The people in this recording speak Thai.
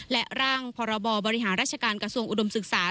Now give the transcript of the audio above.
และร่างพรบบริหารราชการกระทรวงอุดมศึกษา